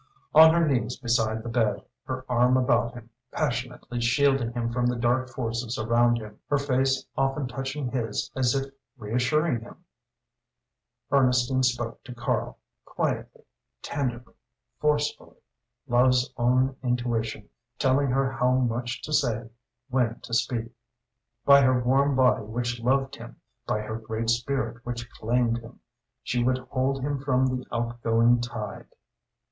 On her knees beside the bed, her arm about him, passionately shielding him from the dark forces around him, her face often touching his as if reassuring him, Ernestine spoke to Karl, quietly, tenderly, forcefully, love's own intuition telling her how much to say, when to speak. By her warm body which loved him, by her great spirit which claimed him, she would hold him from the outgoing tide.